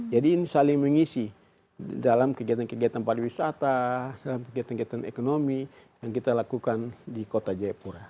jadi ini saling mengisi dalam kegiatan kegiatan pariwisata dalam kegiatan kegiatan ekonomi yang kita lakukan di kota jaipura